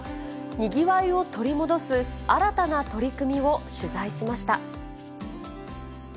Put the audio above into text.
にぎわいを取り戻す新たな取り組みを取材しました。